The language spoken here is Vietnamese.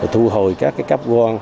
thu hồi các cáp gòn